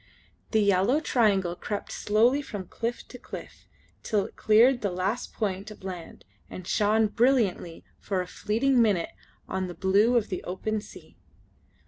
The yellow triangle crept slowly from cliff to cliff, till it cleared the last point of land and shone brilliantly for a fleeting minute on the blue of the open sea.